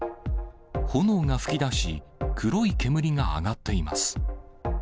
炎が噴き出し、黒い煙が上がっています。